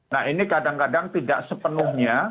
nah ini kadang kadang tidak sepenuhnya